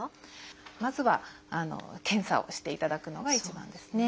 まずは検査をしていただくのが一番ですね。